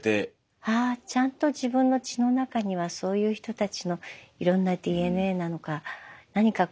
ああちゃんと自分の血の中にはそういう人たちのいろんなＤＮＡなのか何かこう性格って面白いですね。